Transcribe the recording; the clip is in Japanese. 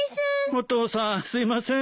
お父さんすいません。